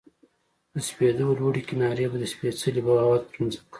د سپېدو لوړې کنارې به د سپیڅلې بغاوت پر مځکه